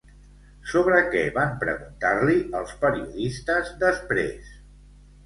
Sobre què van preguntar-li els periodistes després?